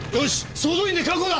総動員で確保だ！